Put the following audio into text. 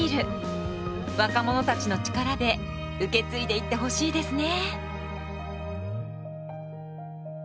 若者たちの力で受け継いでいってほしいですね。